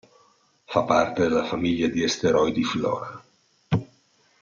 Fa parte della famiglia di asteroidi Flora.